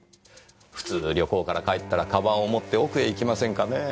普通旅行から帰ったら鞄を持って奥へ行きませんかねぇ。